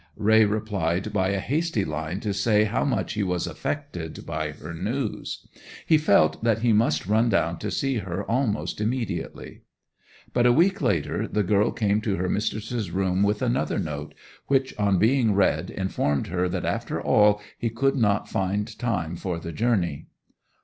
Raye replied by a hasty line to say how much he was affected by her news: he felt that he must run down to see her almost immediately. But a week later the girl came to her mistress's room with another note, which on being read informed her that after all he could not find time for the journey.